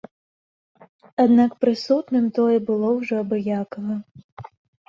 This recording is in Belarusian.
Аднак прысутным тое было ўжо абыякава.